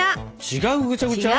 違うぐちゃぐちゃ？